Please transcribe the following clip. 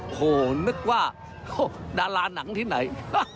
โหนึกว่าดาราหนังที่ไหน